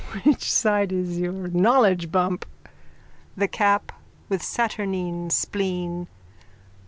_ Which side is your knowledge bump? THE CAP: _(With saturnine spleen.)